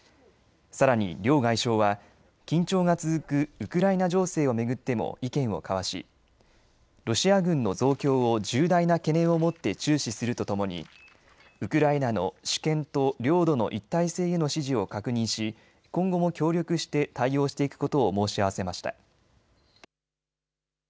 さらに両外相は緊張が続くウクライナ情勢を巡っても意見を交わしロシア軍の増強を重大な懸念を持って注視するとともにウクライナの主権と領土の一体性への支持を確認し今後も協力して対応していくことを申し合わせました。